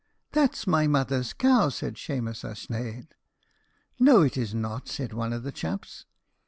"That's my mother's cow," said Shemus a sneidh. "No, it is not," said one of the chaps.